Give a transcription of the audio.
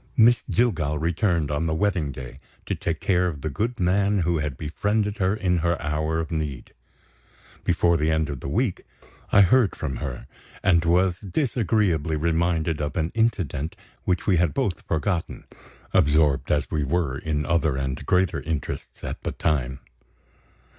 Miss Jillgall returned, on the wedding day, to take care of the good man who had befriended her in her hour of need. Before the end of the week, I heard from her, and was disagreeably reminded of an incident which we had both forgotten, absorbed as we were in other and greater interests, at the time.